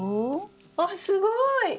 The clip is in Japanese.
あすごい！